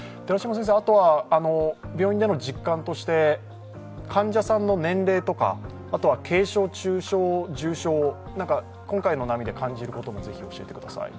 あとは病院での実感として患者さんの年齢とか、あとは軽症、中症、重症今回の波で感じることがあれば教えてください。